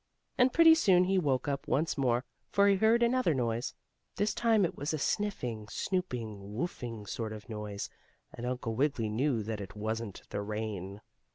And pretty soon he woke up once more, for he heard another noise. This time it was a sniffing, snooping, woofing sort of a noise, and Uncle Wiggily knew that it wasn't the rain.